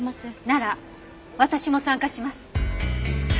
なら私も参加します。